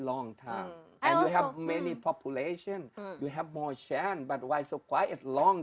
dan kamu memiliki banyak populasi kamu memiliki lebih banyak keuntungan